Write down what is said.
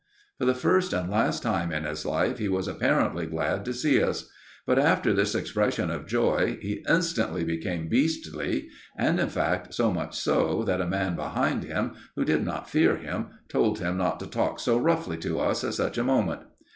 For the first and last time in his life he was apparently glad to see us. But after this expression of joy, he instantly became beastly, and, in fact, so much so, that a man behind him, who did not fear him, told him not to talk so roughly to us at such a moment.